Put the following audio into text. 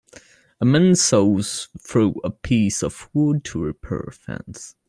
A man saws through a piece of wood to repair a fence.